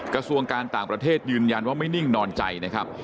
กระทรวงการต่างประเทศยืนยันว่าไม่นิ่งนอนใจนะครับ